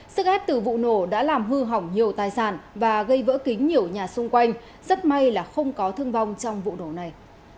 sức ép từ vụ nổ đã làm hư hỏng nhiều tài sản và gây vỡ kính nhiều nhà xung quanh rất may là không có thương vong trong vụ nổ này